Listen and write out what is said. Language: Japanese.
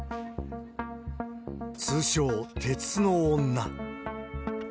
通称、鉄の女。